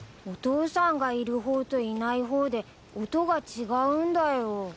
お父さんがいる方といない方で音が違うんだよ。